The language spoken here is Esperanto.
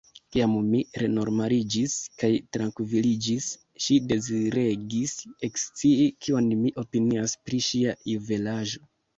Kiam mi renormaliĝis kaj trankviliĝis, ŝi deziregis ekscii kion mi opinias pri ŝia juvelaĵo.